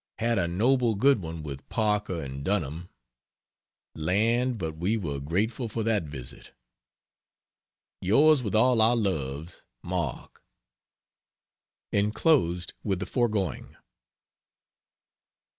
Had a noble good one with Parker and Dunham land, but we were grateful for that visit! Yours with all our loves. MARK. [Inclosed with the foregoing.